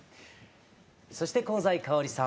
そして香西かおりさん。